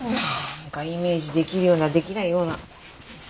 なんかイメージできるようなできないような。